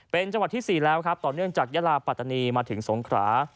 เป็นจังหวัดที่๔แล้วครับต่อเนื่องจากยาลาปัตตานีมาถึงสงขรา